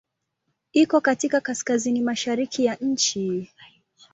Iko katika kaskazini-mashariki ya nchi.